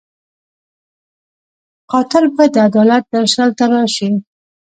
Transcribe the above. قاتل باید د عدالت درشل ته راشي